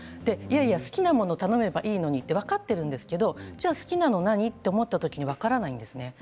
好きなものを頼めばいいのにと分かってはいるんですけど好きなものを何かと思った時に分からないんです。